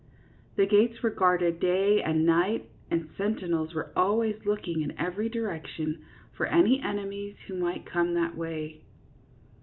The gates were guarded day and night, and sentinels were always looking in every direction for any enemies who might come that way.